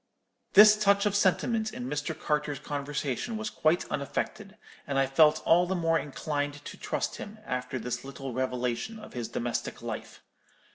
"This touch of sentiment in Mr. Carter's conversation was quite unaffected, and I felt all the more inclined to trust him after this little revelation of his domestic life.